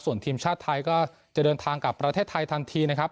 ส่วนทีมชาติไทยก็จะเดินทางกลับประเทศไทยทันทีนะครับ